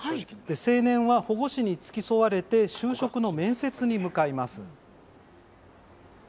青年は、保護司に付き添われて就職の面接に向かいます。